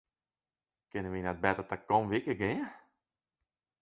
Kinne wy net better takom wike gean?